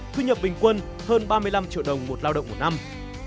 thu nhập bình quân hơn ba mươi năm triệu đồng một lao động một năm